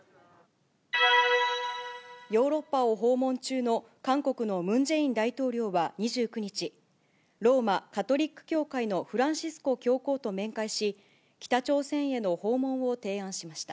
ヨーロッパを訪問中の韓国のムン・ジェイン大統領は２９日、ローマ・カトリック教会のフランシスコ教皇と面会し、北朝鮮への訪問を提案しました。